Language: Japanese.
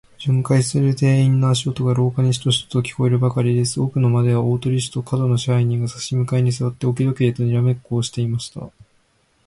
巡回する店員の足音が、廊下にシトシトと聞こえるばかりです。奥の間では、大鳥氏と門野支配人が、さし向かいにすわって、置き時計とにらめっこをしていました。